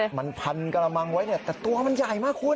เพราะมันพันกระละมังไว้แต่ตัวมันใหญ่มากคุณ